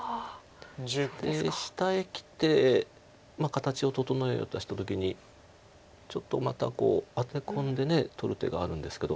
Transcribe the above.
で下へきて形を整えようとした時にちょっとまたアテ込んで取る手があるんですけど。